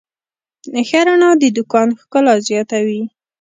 ښه رڼا د دوکان ښکلا زیاتوي.